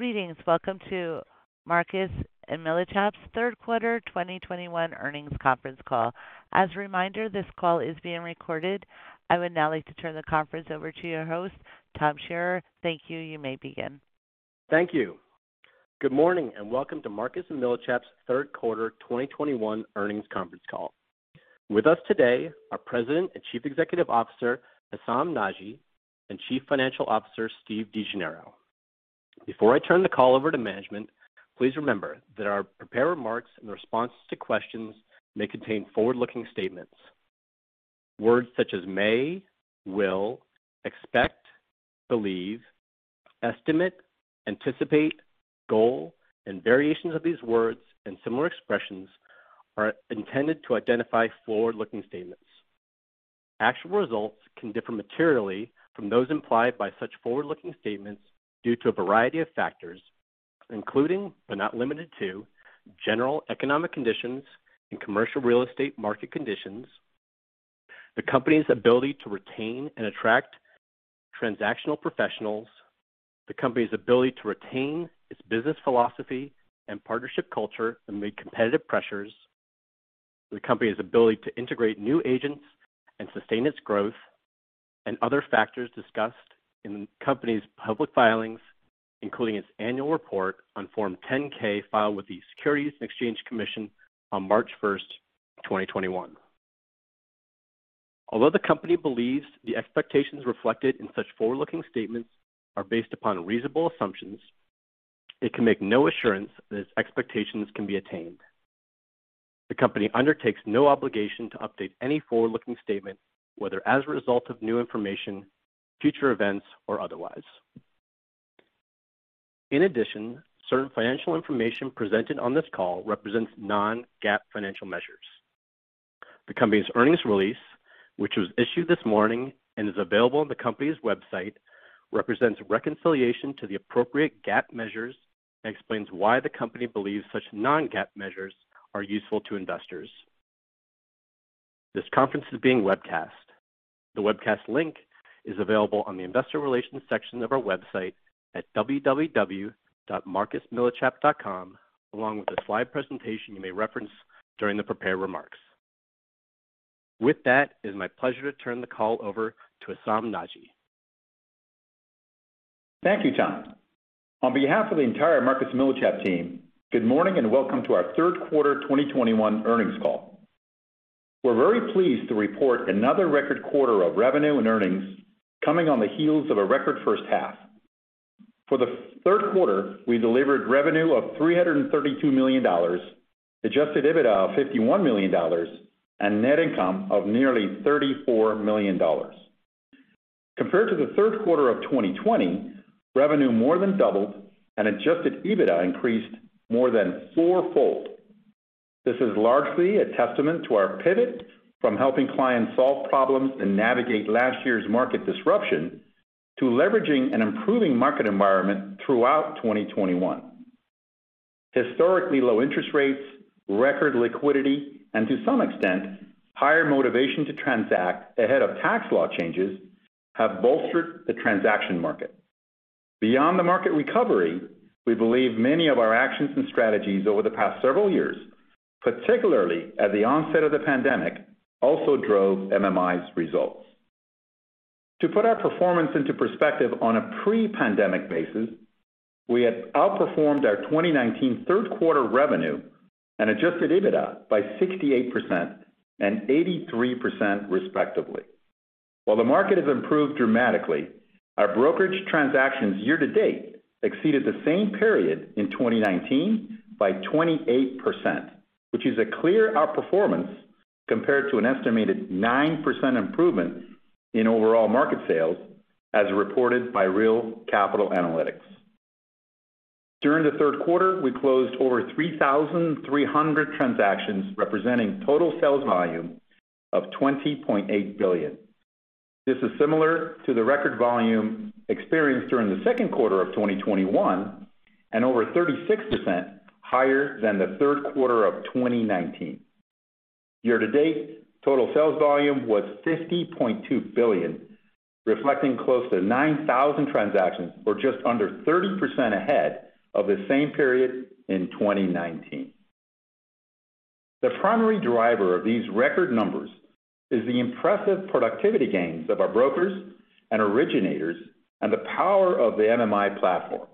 Greetings. Welcome to Marcus & Millichap's Third Quarter 2021 Earnings Conference Call. As a reminder, this call is being recorded. I would now like to turn the conference over to your host, Tom Shearer. Thank you. You may begin. Thank you. Good morning and welcome to Marcus & Millichap's Third Quarter 2021 Earnings Conference Call. With us today, our President and Chief Executive Officer, Hessam Nadji, and Chief Financial Officer, Steve DeGennaro. Before I turn the call over to management, please remember that our prepared remarks in response to questions may contain forward-looking statements. Words such as may, will, expect, believe, estimate, anticipate, goal, and variations of these words and similar expressions are intended to identify forward-looking statements. Actual results can differ materially from those implied by such forward-looking statements due to a variety of factors, including, but not limited to, general economic conditions and commercial real estate market conditions, the company's ability to retain and attract transactional professionals, the company's ability to retain its business philosophy and partnership culture amid competitive pressures, the company's ability to integrate new agents and sustain its growth, and other factors discussed in the company's public filings, including its annual report on Form 10-K filed with the Securities and Exchange Commission on March 1st, 2021. Although the company believes the expectations reflected in such forward-looking statements are based upon reasonable assumptions, it can make no assurance that its expectations can be attained. The company undertakes no obligation to update any forward-looking statement, whether as a result of new information, future events, or otherwise. In addition, certain financial information presented on this call represents non-GAAP financial measures. The company's earnings release, which was issued this morning and is available on the company's website, represents reconciliation to the appropriate GAAP measures and explains why the company believes such non-GAAP measures are useful to investors. This conference is being webcast. The webcast link is available on the investor relations section of our website at www.marcusmillichap.com, along with the slide presentation you may reference during the prepared remarks. With that, it's my pleasure to turn the call over to Hessam Nadji. Thank you, Tom. On behalf of the entire Marcus & Millichap team, good morning and welcome to our third quarter 2021 earnings call. We're very pleased to report another record quarter of revenue and earnings coming on the heels of a record first half. For the third quarter, we delivered revenue of $332 million, Adjusted EBITDA of $51 million, and net income of nearly $34 million. Compared to the third quarter of 2020, revenue more than doubled, and Adjusted EBITDA increased more than four-fold. This is largely a testament to our pivot from helping clients solve problems and navigate last year's market disruption to leveraging an improving market environment throughout 2021. Historically low interest rates, record liquidity, and to some extent, higher motivation to transact ahead of tax law changes have bolstered the transaction market. Beyond the market recovery, we believe many of our actions and strategies over the past several years, particularly at the onset of the pandemic, also drove MMI's results. To put our performance into perspective on a pre-pandemic basis, we had outperformed our 2019 third quarter revenue and Adjusted EBITDA by 68% and 83%, respectively. While the market has improved dramatically, our brokerage transactions year-to-date exceeded the same period in 2019 by 28%, which is a clear outperformance compared to an estimated 9% improvement in overall market sales as reported by Real Capital Analytics. During the third quarter, we closed over 3,300 transactions, representing total sales volume of $20.8 billion. This is similar to the record volume experienced during the second quarter of 2021 and over 36% higher than the third quarter of 2019. Year-to-date, total sales volume was $50.2 billion, reflecting close to 9,000 transactions or just under 30% ahead of the same period in 2019. The primary driver of these record numbers is the impressive productivity gains of our brokers and originators and the power of the MMI platform,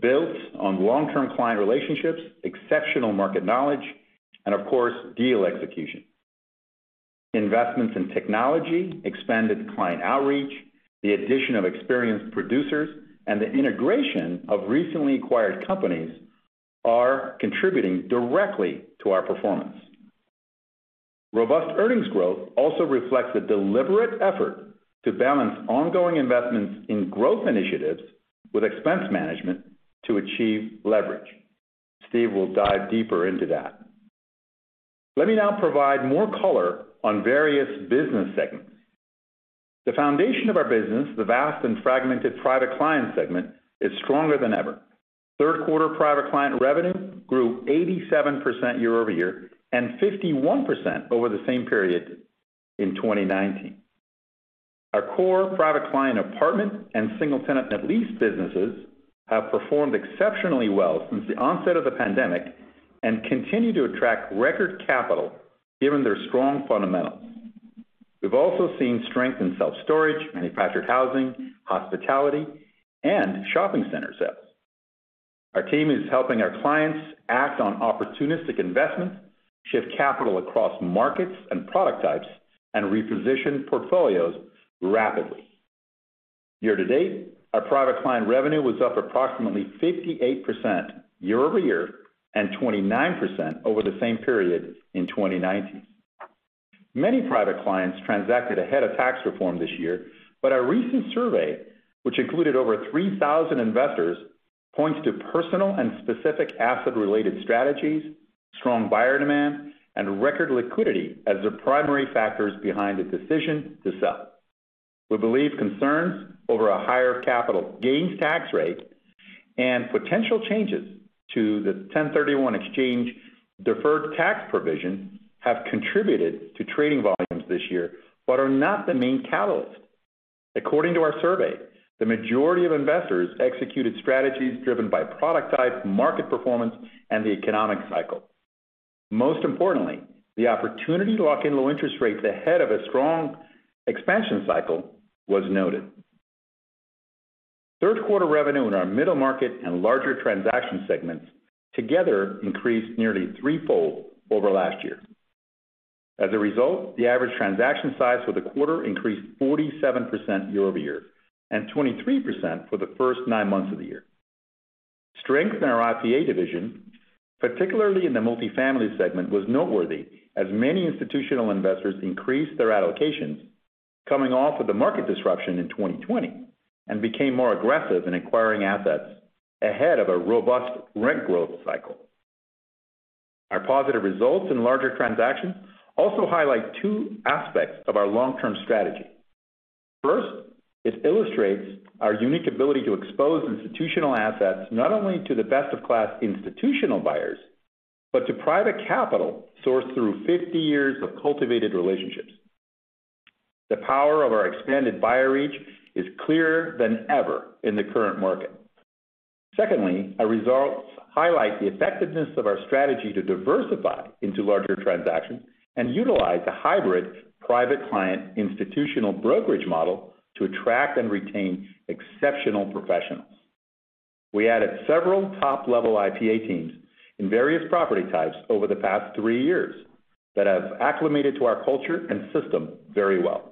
built on long-term client relationships, exceptional market knowledge, and of course, deal execution. Investments in technology, expanded client outreach, the addition of experienced producers, and the integration of recently acquired companies are contributing directly to our performance. Robust earnings growth also reflects a deliberate effort to balance ongoing investments in growth initiatives with expense management to achieve leverage. Steve will dive deeper into that. Let me now provide more color on various business segments. The foundation of our business, the vast and fragmented private client segment, is stronger than ever. Third quarter private client revenue grew 87% year-over-year and 51% over the same period in 2019. Our core private client apartment and single tenant net lease businesses have performed exceptionally well since the onset of the pandemic and continue to attract record capital given their strong fundamentals. We've also seen strength in self-storage, manufactured housing, hospitality, and shopping center sales. Our team is helping our clients act on opportunistic investments, shift capital across markets and product types, and reposition portfolios rapidly. Year-to-date, our private client revenue was up approximately 58% year-over-year and 29% over the same period in 2019. Many private clients transacted ahead of tax reform this year, but a recent survey, which included over 3,000 investors, points to personal and specific asset-related strategies, strong buyer demand, and record liquidity as the primary factors behind the decision to sell. We believe concerns over a higher capital gains tax rate and potential changes to the 1031 exchange deferred tax provision have contributed to trading volumes this year, but are not the main catalyst. According to our survey, the majority of investors executed strategies driven by product type, market performance, and the economic cycle. Most importantly, the opportunity to lock in low interest rates ahead of a strong expansion cycle was noted. Third quarter revenue in our middle market and larger transaction segments together increased nearly threefold over last year. As a result, the average transaction size for the quarter increased 47% year-over-year and 23% for the first nine months of the year. Strength in our IPA division, particularly in the multifamily segment, was noteworthy as many institutional investors increased their allocations coming off of the market disruption in 2020 and became more aggressive in acquiring assets ahead of a robust rent growth cycle. Our positive results in larger transactions also highlight two aspects of our long-term strategy. First, it illustrates our unique ability to expose institutional assets not only to the best of class institutional buyers, but to private capital sourced through 50 years of cultivated relationships. The power of our expanded buyer reach is clearer than ever in the current market. Secondly, our results highlight the effectiveness of our strategy to diversify into larger transactions and utilize a hybrid private client institutional brokerage model to attract and retain exceptional professionals. We added several top-level IPA teams in various property types over the past three years that have acclimated to our culture and system very well.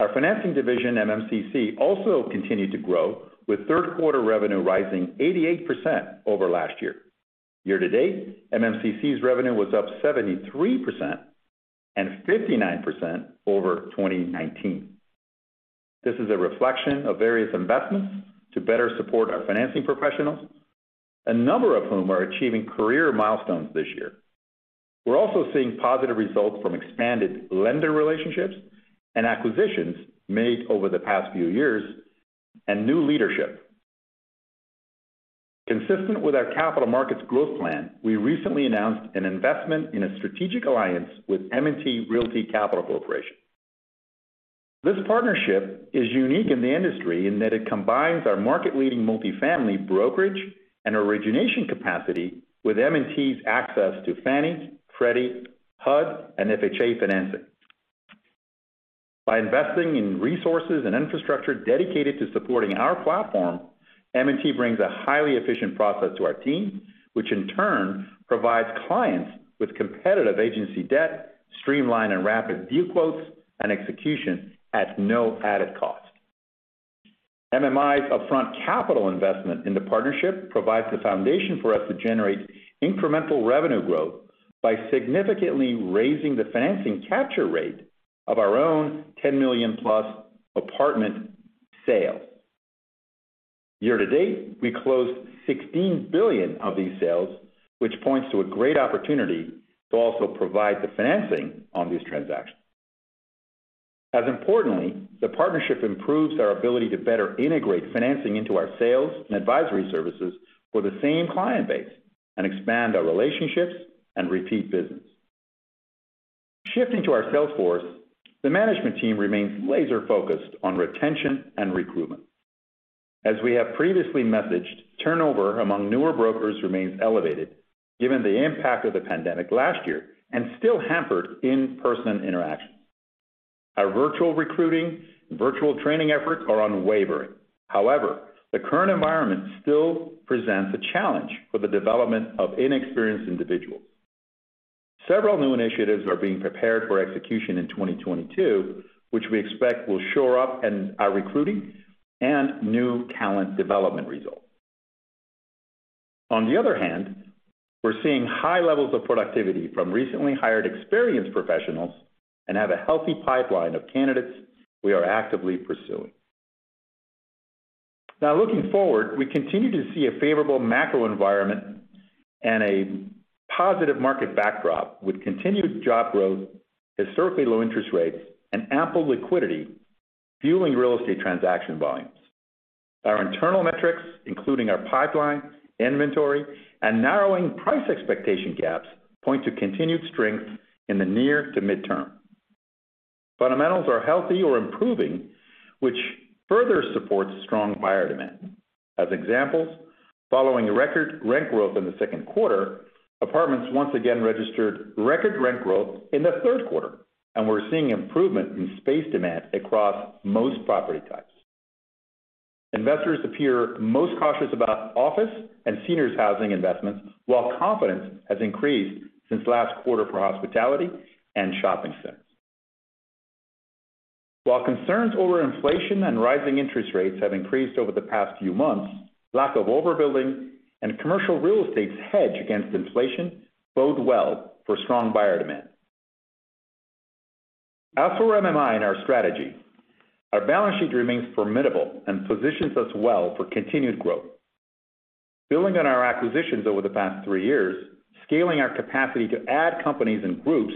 Our financing division, MMCC, also continued to grow with third quarter revenue rising 88% over last year. Year-to-date, MMCC's revenue was up 73% and 59% over 2019. This is a reflection of various investments to better support our financing professionals, a number of whom are achieving career milestones this year. We're also seeing positive results from expanded lender relationships and acquisitions made over the past few years and new leadership. Consistent with our capital markets growth plan, we recently announced an investment in a strategic alliance with M&T Realty Capital Corporation. This partnership is unique in the industry in that it combines our market-leading multifamily brokerage and origination capacity with M&T's access to Fannie, Freddie, HUD, and FHA financing. By investing in resources and infrastructure dedicated to supporting our platform, M&T brings a highly efficient process to our team, which in turn provides clients with competitive agency debt, streamlined and rapid view quotes, and execution at no added cost. MMI's upfront capital investment in the partnership provides the foundation for us to generate incremental revenue growth by significantly raising the financing capture rate of our own $10 million-plus apartment sales. Year-to-date, we closed $16 billion of these sales, which points to a great opportunity to also provide the financing on these transactions. As importantly, the partnership improves our ability to better integrate financing into our sales and advisory services for the same client base and expand our relationships and repeat business. Shifting to our sales force, the management team remains laser-focused on retention and recruitment. As we have previously messaged, turnover among newer brokers remains elevated given the impact of the pandemic last year and still hampered in-person interactions. Our virtual recruiting, virtual training efforts are unwavering. However, the current environment still presents a challenge for the development of inexperienced individuals. Several new initiatives are being prepared for execution in 2022, which we expect will shore up our recruiting and new talent development results. On the other hand, we're seeing high levels of productivity from recently hired experienced professionals and have a healthy pipeline of candidates we are actively pursuing. Now looking forward, we continue to see a favorable macro environment and a positive market backdrop with continued job growth, historically low interest rates, and ample liquidity fueling real estate transaction volumes. Our internal metrics, including our pipeline, inventory, and narrowing price expectation gaps, point to continued strength in the near to mid-term. Fundamentals are healthy or improving, which further supports strong buyer demand. As examples, following a record rent growth in the second quarter, apartments once again registered record rent growth in the third quarter, and we're seeing improvement in space demand across most property types. Investors appear most cautious about office and seniors housing investments, while confidence has increased since last quarter for hospitality and shopping centers. While concerns over inflation and rising interest rates have increased over the past few months, lack of overbuilding and commercial real estate's hedge against inflation bode well for strong buyer demand. As for MMI and our strategy, our balance sheet remains formidable and positions us well for continued growth. Building on our acquisitions over the past three years, scaling our capacity to add companies and groups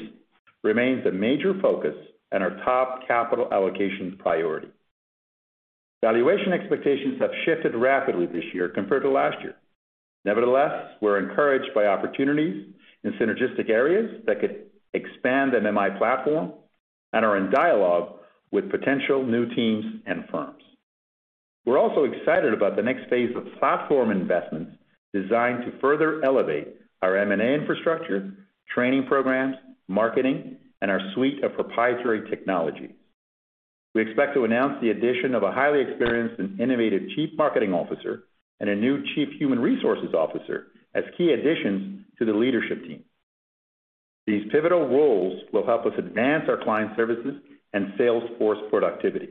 remains a major focus and our top capital allocation priority. Valuation expectations have shifted rapidly this year compared to last year. Nevertheless, we're encouraged by opportunities in synergistic areas that could expand the MMI platform and are in dialogue with potential new teams and firms. We're also excited about the next phase of platform investments designed to further elevate our M&A infrastructure, training programs, marketing, and our suite of proprietary technology. We expect to announce the addition of a highly experienced and innovative Chief Marketing Officer and a new Chief Human Resources Officer as key additions to the leadership team. These pivotal roles will help us advance our client services and sales force productivity.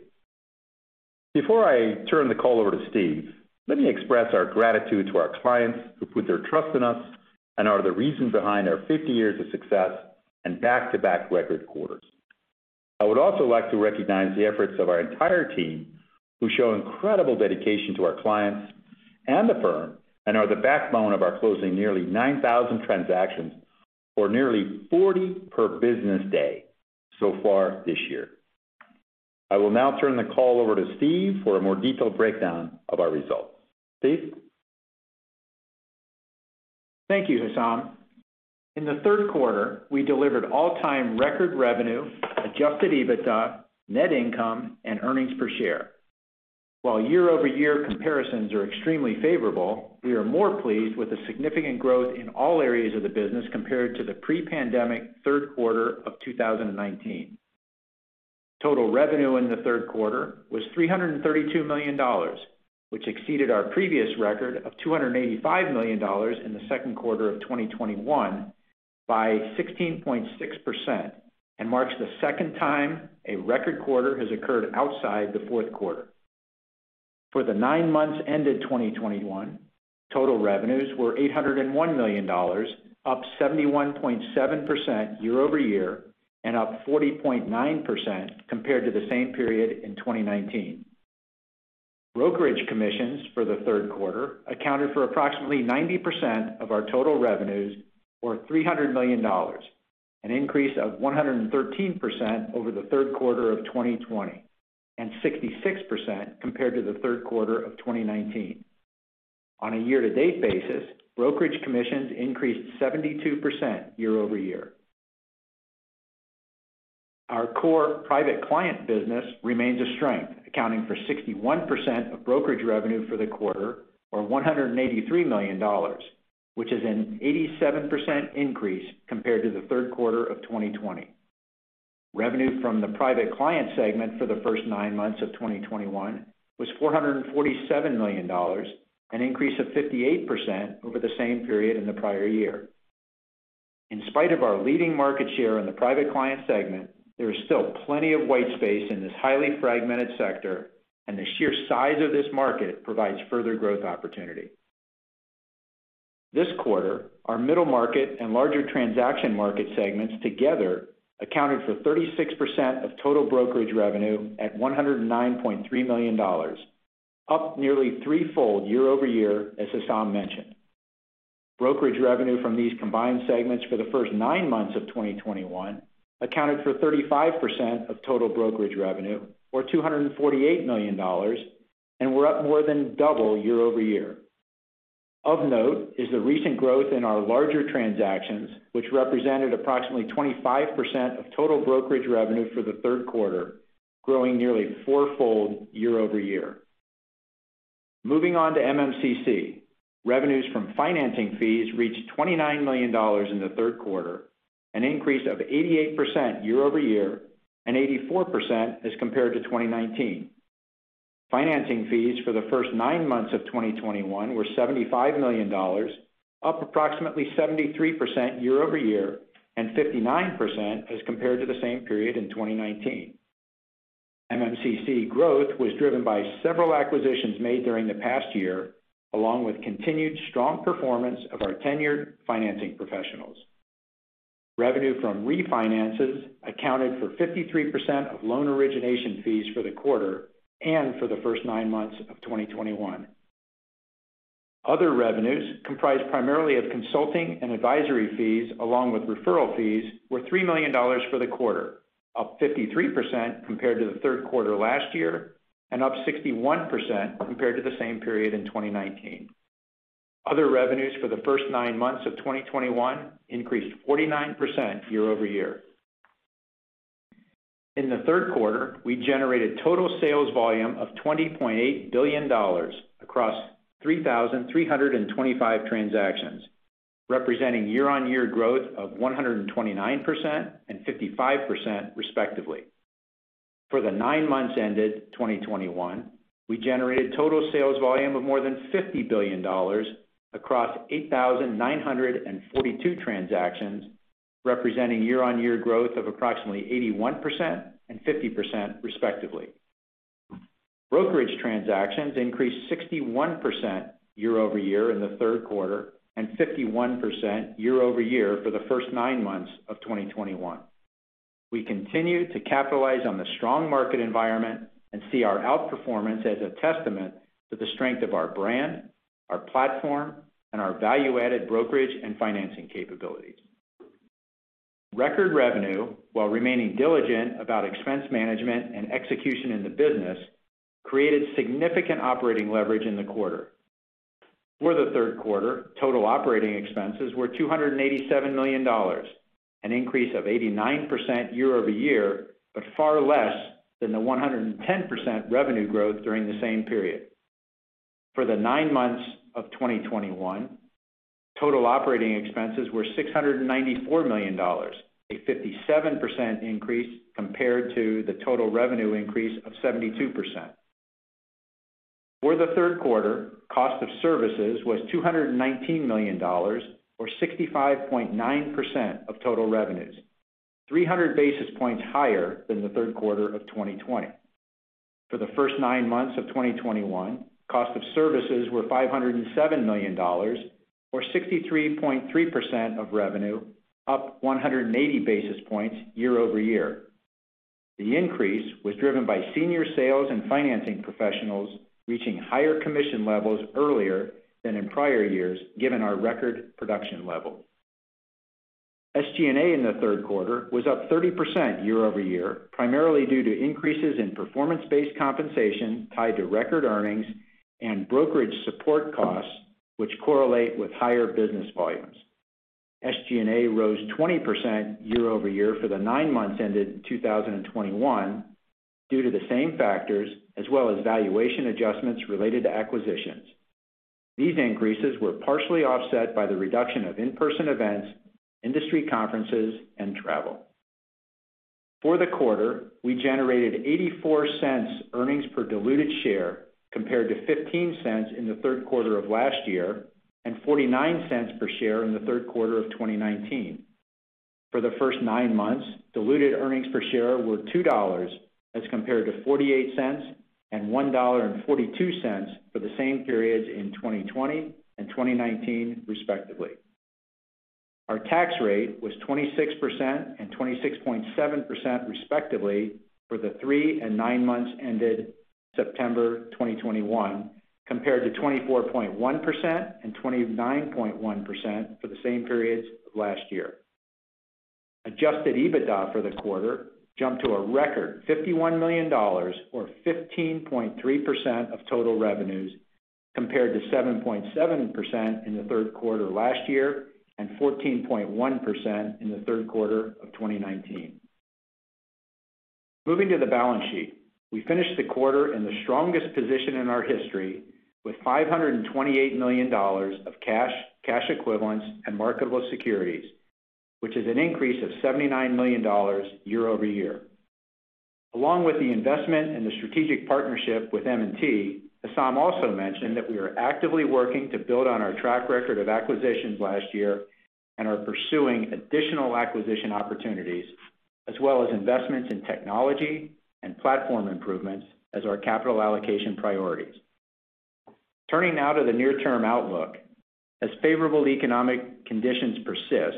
Before I turn the call over to Steve, let me express our gratitude to our clients who put their trust in us and are the reason behind our 50 years of success and back-to-back record quarters. I would also like to recognize the efforts of our entire team, who show incredible dedication to our clients and the firm and are the backbone of our closing nearly 9,000 transactions or nearly 40 per business day so far this year. I will now turn the call over to Steve for a more detailed breakdown of our results. Steve? Thank you, Hessam. In the third quarter, we delivered all-time record revenue, Adjusted EBITDA, net income, and earnings per share. While year-over-year comparisons are extremely favorable, we are more pleased with the significant growth in all areas of the business compared to the pre-pandemic third quarter of 2019. Total revenue in the third quarter was $332 million, which exceeded our previous record of $285 million in the second quarter of 2021 by 16.6% and marks the second time a record quarter has occurred outside the fourth quarter. For the nine months ended 2021, total revenues were $801 million, up 71.7% year-over-year and up 40.9% compared to the same period in 2019. Brokerage commissions for the third quarter accounted for approximately 90% of our total revenues, or $300 million, an increase of 113% over the third quarter of 2020 and 66% compared to the third quarter of 2019. On a year-to-date basis, brokerage commissions increased 72% year-over-year. Our core private client business remains a strength, accounting for 61% of brokerage revenue for the quarter, or $183 million, which is an 87% increase compared to the third quarter of 2020. Revenue from the private client segment for the first nine months of 2021 was $447 million, an increase of 58% over the same period in the prior year. In spite of our leading market share in the private client segment, there is still plenty of white space in this highly fragmented sector, and the sheer size of this market provides further growth opportunity. This quarter, our middle market and larger transaction market segments together accounted for 36% of total brokerage revenue at $109.3 million, up nearly threefold year-over-year, as Hessam mentioned. Brokerage revenue from these combined segments for the first nine months of 2021 accounted for 35% of total brokerage revenue, or $248 million, and were up more than double year-over-year. Of note is the recent growth in our larger transactions, which represented approximately 25% of total brokerage revenue for the third quarter, growing nearly four-fold year-over-year. Moving on to MMCC. Revenues from financing fees reached $29 million in the third quarter, an increase of 88% year-over-year, and 84% as compared to 2019. Financing fees for the first nine months of 2021 were $75 million, up approximately 73% year-over-year, and 59% as compared to the same period in 2019. MMCC growth was driven by several acquisitions made during the past year, along with continued strong performance of our tenured financing professionals. Revenue from refinances accounted for 53% of loan origination fees for the quarter and for the first nine months of 2021. Other revenues comprised primarily of consulting and advisory fees, along with referral fees, were $3 million for the quarter, up 53% compared to the third quarter last year and up 61% compared to the same period in 2019. Other revenues for the first nine months of 2021 increased 49% year-over-year. In the third quarter, we generated total sales volume of $20.8 billion across 3,325 transactions, representing year-over-year growth of 129% and 55% respectively. For the nine months ended 2021, we generated total sales volume of more than $50 billion across 8,942 transactions, representing year-over-year growth of approximately 81% and 50% respectively. Brokerage transactions increased 61% year-over-year in the third quarter and 51% year-over-year for the first nine months of 2021. We continue to capitalize on the strong market environment and see our outperformance as a testament to the strength of our brand, our platform, and our value-added brokerage and financing capabilities. Record revenue, while remaining diligent about expense management and execution in the business, created significant operating leverage in the quarter. For the third quarter, total operating expenses were $287 million, an increase of 89% year-over-year, but far less than the 110% revenue growth during the same period. For the nine months of 2021, total operating expenses were $694 million, a 57% increase compared to the total revenue increase of 72%. For the third quarter, cost of services was $219 million, or 65.9% of total revenues, 300 basis points higher than the third quarter of 2020. For the first nine months of 2021, cost of services were $507 million, or 63.3% of revenue, up 180 basis points year-over-year. The increase was driven by senior sales and financing professionals reaching higher commission levels earlier than in prior years, given our record production levels. SG&A in the third quarter was up 30% year-over-year, primarily due to increases in performance-based compensation tied to record earnings and brokerage support costs, which correlate with higher business volumes. SG&A rose 20% year-over-year for the nine months ended 2021 due to the same factors as well as valuation adjustments related to acquisitions. These increases were partially offset by the reduction of in-person events, industry conferences, and travel. For the quarter, we generated $0.84 earnings per diluted share compared to $0.15 in the third quarter of last year and $0.49 per share in the third quarter of 2019. For the first nine months, diluted earnings per share were $2 as compared to $0.48 and $1.42 for the same periods in 2020 and 2019 respectively. Our tax rate was 26% and 26.7% respectively for the three and nine months ended September 2021, compared to 24.1% and 29.1% for the same periods last year. Adjusted EBITDA for the quarter jumped to a record $51 million or 15.3% of total revenues compared to 7.7% in the third quarter last year and 14.1% in the third quarter of 2019. Moving to the balance sheet, we finished the quarter in the strongest position in our history with $528 million of cash equivalents, and marketable securities, which is an increase of $79 million year-over-year. Along with the investment and the strategic partnership with M&T, Hessam also mentioned that we are actively working to build on our track record of acquisitions last year and are pursuing additional acquisition opportunities as well as investments in technology and platform improvements as our capital allocation priorities. Turning now to the near-term outlook. As favorable economic conditions persist,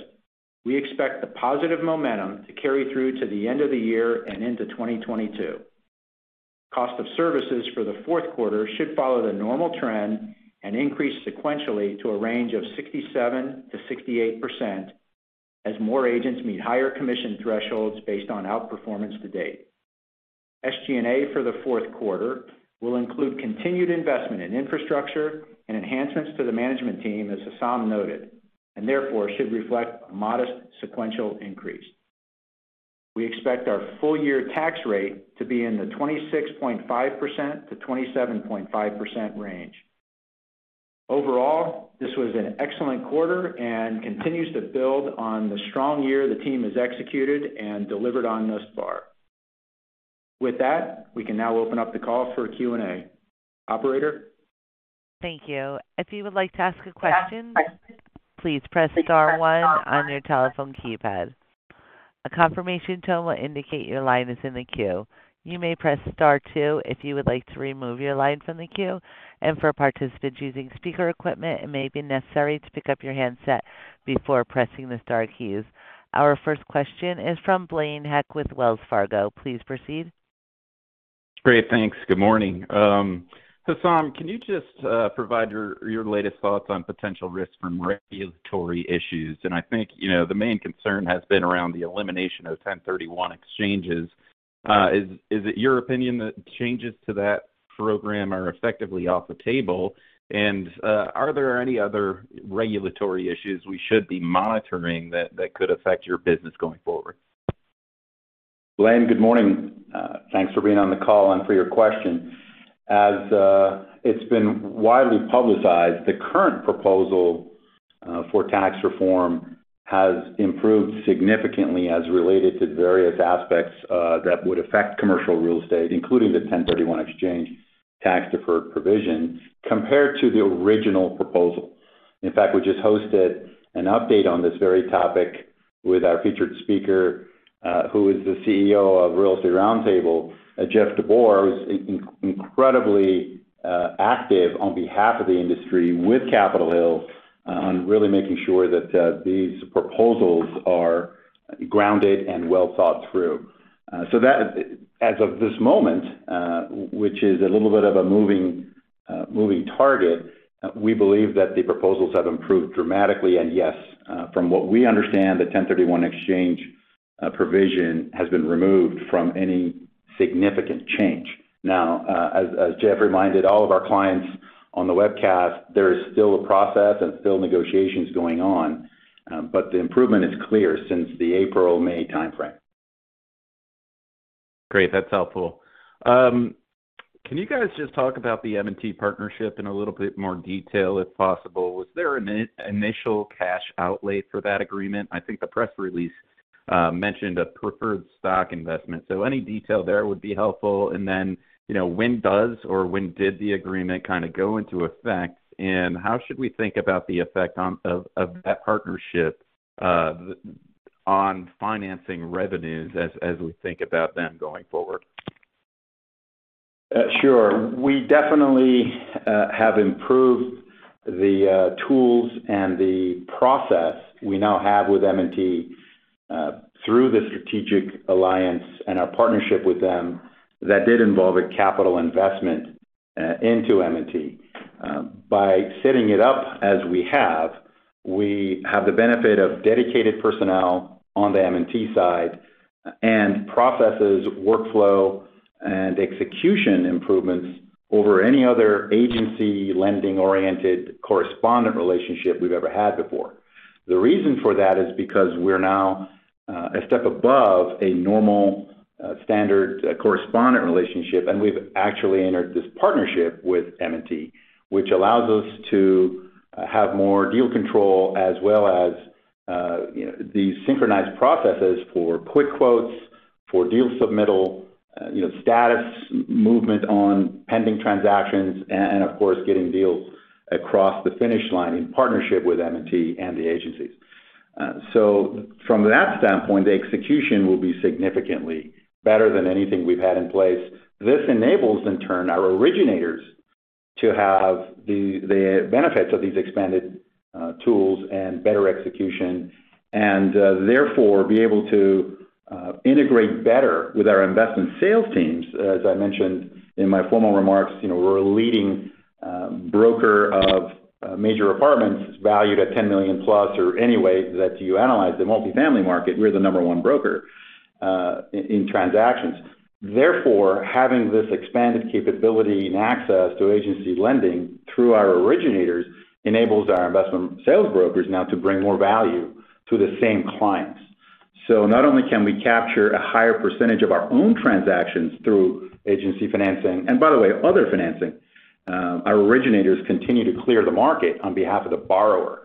we expect the positive momentum to carry through to the end of the year and into 2022. Cost of services for the fourth quarter should follow the normal trend and increase sequentially to a range of 67%-68% as more agents meet higher commission thresholds based on outperformance to date. SG&A for the fourth quarter will include continued investment in infrastructure and enhancements to the management team, as Hessam noted, and therefore should reflect a modest sequential increase. We expect our full year tax rate to be in the 26.5%-27.5% range. Overall, this was an excellent quarter and continues to build on the strong year the team has executed and delivered on thus far. With that, we can now open up the call for Q&A. Operator? Thank you. If you would like to ask a question, please press star one on your telephone keypad. A confirmation tone will indicate your line is in the queue. You may press star two if you would like to remove your line from the queue. For participants using speaker equipment, it may be necessary to pick up your handset before pressing the star keys. Our first question is from Blaine Heck with Wells Fargo. Please proceed. Great. Thanks. Good morning. Hessam, can you just provide your latest thoughts on potential risks from regulatory issues? I think, you know, the main concern has been around the elimination of 1031 exchanges. Is it your opinion that changes to that program are effectively off the table? Are there any other regulatory issues we should be monitoring that could affect your business going forward? Blaine, good morning. Thanks for being on the call and for your question. As it's been widely publicized, the current proposal for tax reform has improved significantly as related to various aspects that would affect commercial real estate, including the 1031 exchange tax-deferred provision compared to the original proposal. In fact, we just hosted an update on this very topic with our featured speaker, who is the CEO of The Real Estate Roundtable, Jeff DeBoer, who's incredibly active on behalf of the industry with Capitol Hill on really making sure that these proposals are grounded and well thought through. As of this moment, which is a little bit of a moving target, we believe that the proposals have improved dramatically. From what we understand, the 1031 exchange provision has been removed from any significant change. As Jeff reminded all of our clients on the webcast, there is still a process and still negotiations going on, but the improvement is clear since the April-May timeframe. Great. That's helpful. Can you guys just talk about the M&T partnership in a little bit more detail if possible? Was there an initial cash outlay for that agreement? I think the press release mentioned a preferred stock investment, so any detail there would be helpful. And then, you know, when does or when did the agreement kind of go into effect? And how should we think about the effect of that partnership on financing revenues as we think about them going forward? Sure. We definitely have improved the tools and the process we now have with M&T through the strategic alliance and our partnership with them that did involve a capital investment into M&T. By setting it up as we have, we have the benefit of dedicated personnel on the M&T side and processes, workflow, and execution improvements over any other agency lending-oriented correspondent relationship we've ever had before. The reason for that is because we're now a step above a normal standard correspondent relationship, and we've actually entered this partnership with M&T, which allows us to have more deal control as well as these synchronized processes for quick quotes, for deal submittal, you know, status movement on pending transactions and of course, getting deals across the finish line in partnership with M&T and the agencies. From that standpoint, the execution will be significantly better than anything we've had in place. This enables, in turn, our originators to have the benefits of these expanded tools and better execution and therefore be able to integrate better with our investment sales teams. As I mentioned in my formal remarks, you know, we're a leading broker of major apartments valued at $10 million+ or any way that you analyze the multi-family market, we're the number one broker in transactions. Therefore, having this expanded capability and access to agency lending through our originators enables our investment sales brokers now to bring more value to the same clients. Not only can we capture a higher percentage of our own transactions through agency financing, and by the way, other financing, our originators continue to clear the market on behalf of the borrower.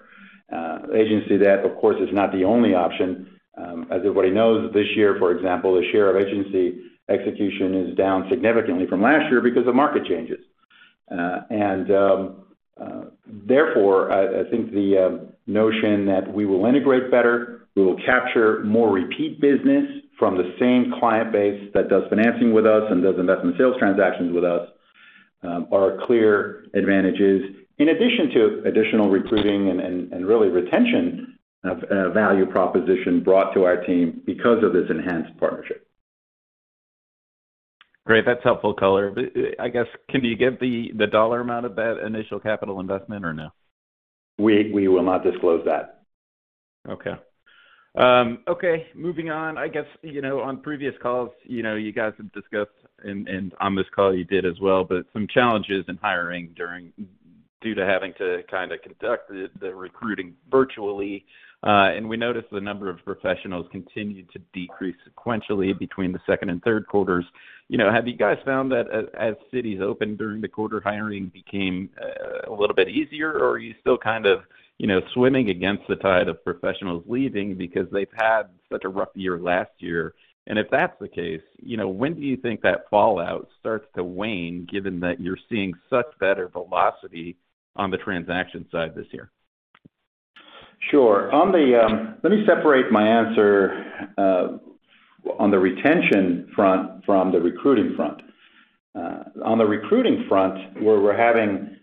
Agency debt, of course, is not the only option. As everybody knows this year, for example, the share of agency execution is down significantly from last year because of market changes. Therefore, I think the notion that we will integrate better, we will capture more repeat business from the same client base that does financing with us and does investment sales transactions with us, are clear advantages in addition to additional recruiting and really retention of value proposition brought to our team because of this enhanced partnership. Great. That's helpful color. I guess, can you give the dollar amount of that initial capital investment or no? We will not disclose that. Okay, moving on. I guess, you know, on previous calls, you know, you guys have discussed and on this call you did as well, but some challenges in hiring during due to having to kind of conduct the recruiting virtually. We noticed the number of professionals continued to decrease sequentially between the second and third quarters. You know, have you guys found that as cities opened during the quarter, hiring became a little bit easier? Or are you still kind of, you know, swimming against the tide of professionals leaving because they've had such a rough year last year? If that's the case, you know, when do you think that fallout starts to wane given that you're seeing such better velocity on the transaction side this year? Sure. Let me separate my answer on the retention front from the recruiting front. On the recruiting front, where we're having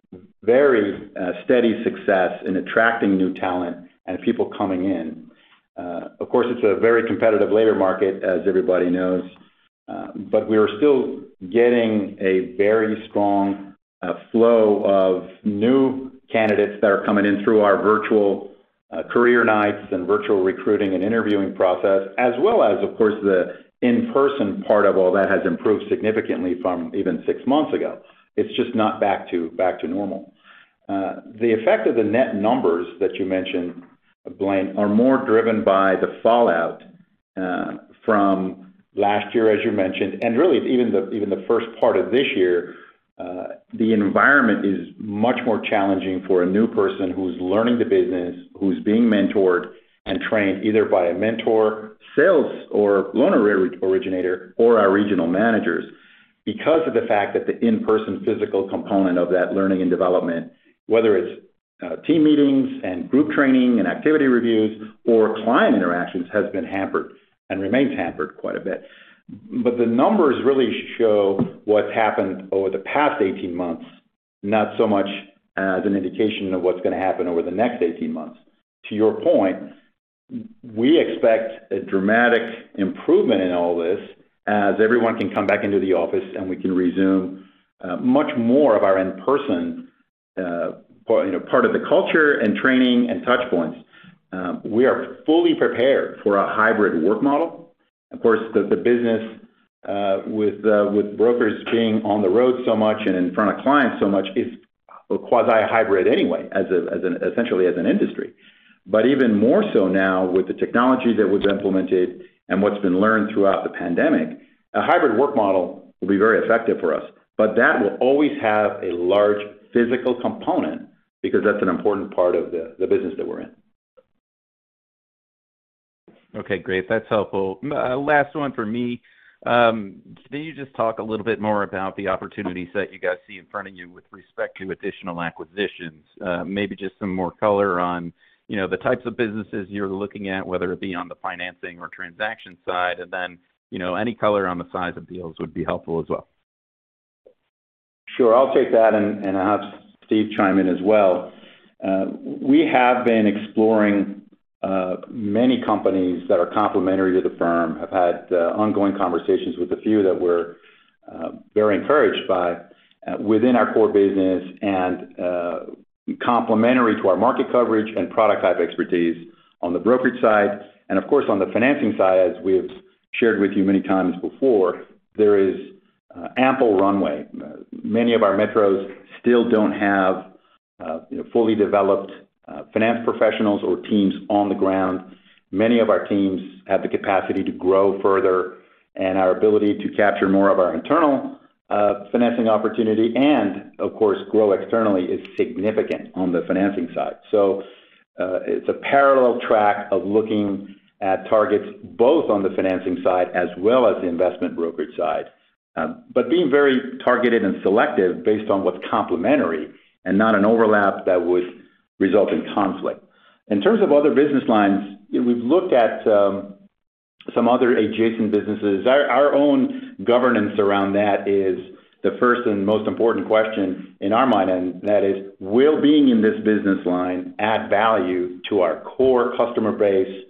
very steady success in attracting new talent and people coming in. Of course, it's a very competitive labor market, as everybody knows, but we are still getting a very strong flow of new candidates that are coming in through our virtual career nights and virtual recruiting and interviewing process, as well as, of course, the in-person part of all that has improved significantly from even six months ago. It's just not back to normal. The effect of the net numbers that you mentioned, Blaine, are more driven by the fallout from last year, as you mentioned, and really even the first part of this year. The environment is much more challenging for a new person who's learning the business, who's being mentored and trained either by a mentor, sales or loan originator or our regional managers because of the fact that the in-person physical component of that learning and development, whether it's team meetings and group training and activity reviews or client interactions, has been hampered and remains hampered quite a bit. The numbers really show what's happened over the past 18 months, not so much as an indication of what's gonna happen over the next 18 months. To your point, we expect a dramatic improvement in all this as everyone can come back into the office and we can resume much more of our in-person, you know, part of the culture and training and touchpoints. We are fully prepared for a hybrid work model. Of course, the business with brokers being on the road so much and in front of clients so much is a quasi-hybrid anyway, essentially as an industry. Even more so now with the technology that was implemented and what's been learned throughout the pandemic, a hybrid work model will be very effective for us. That will always have a large physical component because that's an important part of the business that we're in. Okay, great. That's helpful. Last one for me. Can you just talk a little bit more about the opportunities that you guys see in front of you with respect to additional acquisitions? Maybe just some more color on, you know, the types of businesses you're looking at, whether it be on the financing or transaction side, and then, you know, any color on the size of deals would be helpful as well. Sure. I'll take that and I'll have Steve chime in as well. We have been exploring many companies that are complementary to the firm, have had ongoing conversations with a few that we're very encouraged by, within our core business and complementary to our market coverage and product type expertise on the brokerage side. Of course, on the financing side, as we have shared with you many times before, there is ample runway. Many of our metros still don't have fully developed finance professionals or teams on the ground. Many of our teams have the capacity to grow further, and our ability to capture more of our internal financing opportunity and of course, grow externally is significant on the financing side. It's a parallel track of looking at targets both on the financing side as well as the investment brokerage side, but being very targeted and selective based on what's complementary and not an overlap that would result in conflict. In terms of other business lines, we've looked at some other adjacent businesses. Our own governance around that is the first and most important question in our mind, and that is, will being in this business line add value to our core customer base,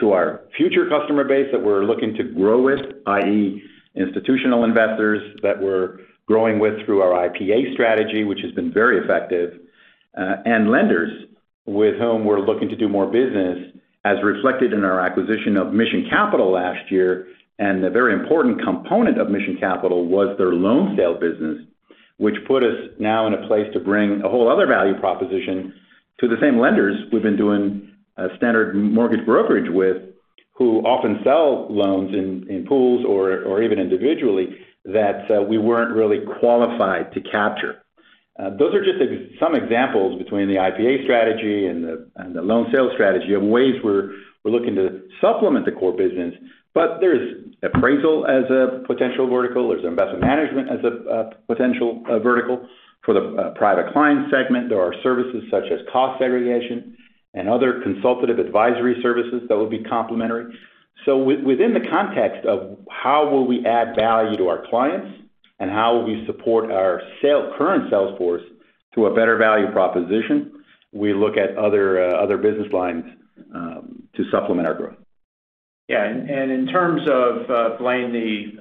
to our future customer base that we're looking to grow with, i.e., institutional investors that we're growing with through our IPA strategy, which has been very effective, and lenders with whom we're looking to do more business, as reflected in our acquisition of Mission Capital last year. A very important component of Mission Capital was their loan sale business, which put us now in a place to bring a whole other value proposition to the same lenders we've been doing standard mortgage brokerage with, who often sell loans in pools or even individually that we weren't really qualified to capture. Those are just some examples between the IPA strategy and the loan sale strategy of ways we're looking to supplement the core business. There's appraisal as a potential vertical. There's investment management as a potential vertical. For the private client segment, there are services such as cost segregation and other consultative advisory services that will be complementary. Within the context of how will we add value to our clients and how will we support our current sales force to a better value proposition, we look at other business lines to supplement our growth. In terms of Blaine,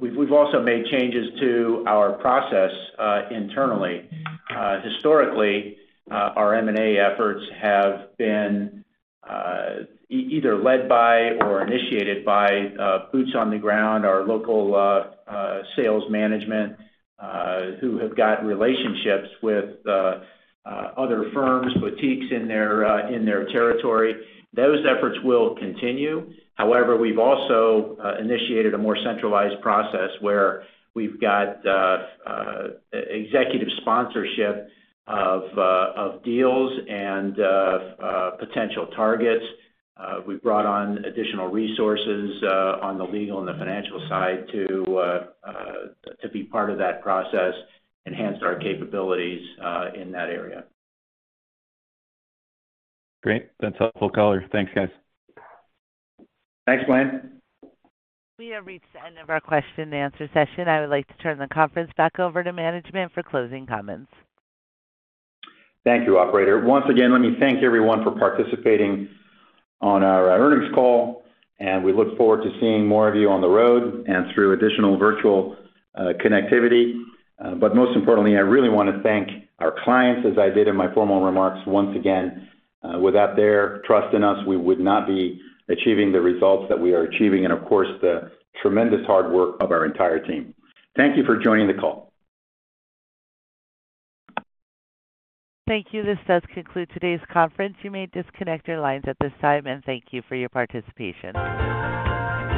we've also made changes to our process internally. Historically, our M&A efforts have been either led by or initiated by boots on the ground, our local sales management who have got relationships with other firms, boutiques in their territory. Those efforts will continue. However, we've also initiated a more centralized process where we've got executive sponsorship of deals and potential targets. We've brought on additional resources on the legal and the financial side to be part of that process, enhanced our capabilities in that area. Great. That's helpful color. Thanks, guys. Thanks, Blaine. We have reached the end of our question-and-answer session. I would like to turn the conference back over to management for closing comments. Thank you, operator. Once again, let me thank everyone for participating on our earnings call, and we look forward to seeing more of you on the road and through additional virtual, connectivity. Most importantly, I really wanna thank our clients, as I did in my formal remarks once again. Without their trust in us, we would not be achieving the results that we are achieving and of course, the tremendous hard work of our entire team. Thank you for joining the call. Thank you. This does conclude today's conference. You may disconnect your lines at this time, and thank you for your participation.